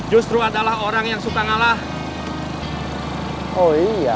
justru adalah orang yang suka ngalah oh iya